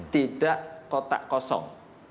tidak kotak kosong